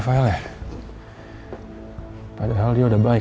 masih aku lagi tak deu laintallah daftar angkasa banget